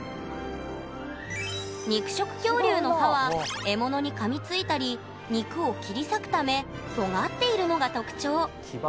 肉食恐竜の歯は獲物にかみついたり肉を切り裂くためとがっているのが特徴。